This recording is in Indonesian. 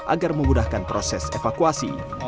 agar memudahkan proses evakuasi